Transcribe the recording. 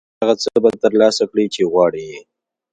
هغه څه به ترلاسه کړې چې غواړې یې.